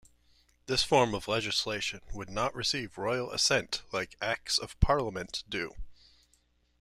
This form of legislation would not receive royal assent like Acts of Parliament do.